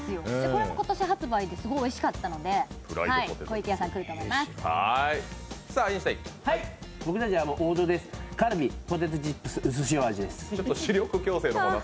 これも今年発売ですごいおいしかったので、湖池屋さんくるだろうな